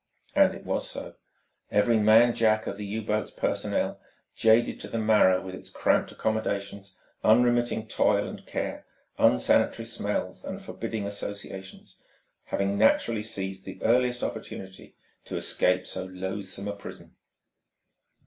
And it was so; every man jack of the U boat's personnel jaded to the marrow with its cramped accommodations, unremitting toil and care, unsanitary smells and forbidding associations having naturally seized the earliest opportunity to escape so loathsome a prison.